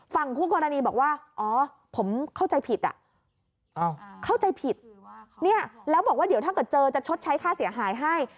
คู่กรณีบอกว่าอ๋อผมเข้าใจผิดเข้าใจผิดเนี่ยแล้วบอกว่าเดี๋ยวถ้าเกิดเจอจะชดใช้ค่าเสียหายให้